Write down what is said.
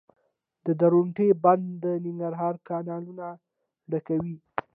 د درونټې بند د ننګرهار کانالونه ډکوي